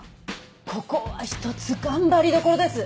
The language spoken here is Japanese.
ここはひとつ頑張りどころです。